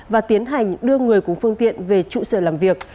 và tiến hành đưa người cùng phương tiện về trụ sở làm việc